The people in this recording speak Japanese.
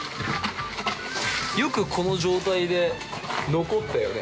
よくこの状態で残ったよね。